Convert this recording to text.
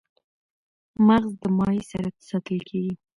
مغز د مایع سره ساتل کېږي.